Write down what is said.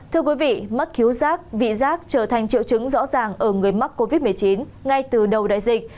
thưa quý vị mắc khiếu giác vị giác trở thành triệu chứng rõ ràng ở người mắc covid một mươi chín ngay từ đầu đại dịch